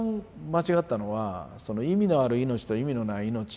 間違ったのはその「意味のある命と意味のない命」。